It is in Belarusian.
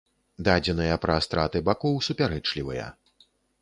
Дадзеныя пра страты бакоў супярэчлівыя.